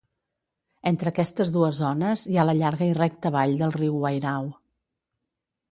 Entre aquestes dues zones hi ha la llarga i recta vall del riu Wairau.